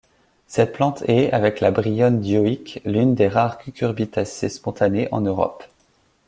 Cette plante est, avec la bryone dioïque, l'une des rares Cucurbitacées spontanées en Europe.